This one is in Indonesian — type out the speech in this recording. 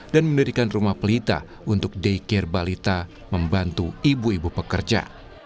dan menirikan rumah pelita untuk daycare balita membantu ibu ibu pekerja